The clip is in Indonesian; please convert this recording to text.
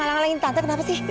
jangan alingin tante kenapa sih